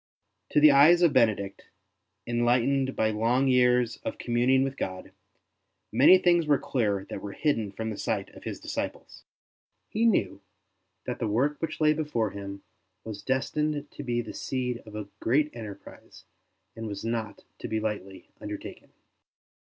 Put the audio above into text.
To the eyes of Bene dict, enlightened by long years of communing with God, many things were clear that were hidden from the sight of his disciples. He knew that the work which lay before him was destined to be the seed of a great enterprise and was not to be lightly undertaken.